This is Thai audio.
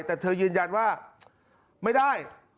แต่เธอยืนยันว่าไม่ได้